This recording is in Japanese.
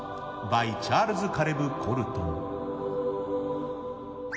バイチャールズ・カレブ・コルトン。